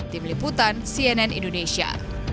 tim liputan cnn indonesia